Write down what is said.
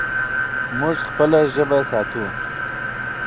موږ خپله ژبه ساتو.